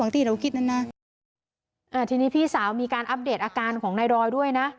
ทีนี้พี่สาวมีการอัพเดตอาการของในดอยด์ด้วยนะ